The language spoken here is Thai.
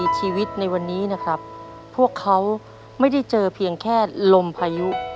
ชีวิตในวันนี้นะครับพวกเขาไม่ได้เจอเพียงแค่ลมพายุ